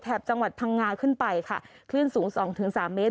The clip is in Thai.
จังหวัดพังงาขึ้นไปค่ะคลื่นสูงสองถึงสามเมตร